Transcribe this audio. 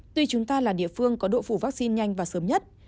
tuy chúng ta là địa phương có độ phủ vaccine nhanh và sớm nhất